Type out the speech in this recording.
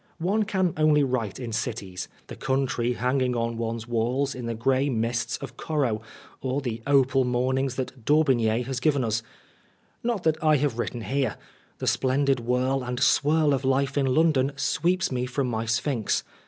One can only write in cities, the country hanging on one's walls in the grey mists of Corot, or the opal morn ings that Daubigny has given us : not that I have written here the splendid whirl and swirl of life in London sweeps me from my Sphynx.